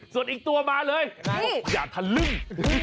ส่วนอีกตัวมาเลยอย่าทะลึ่ง